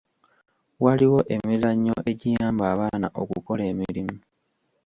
Waliwo emizannyo egiyamba abaana okukola emirimu.